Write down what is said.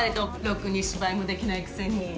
ロクに芝居もできないくせに。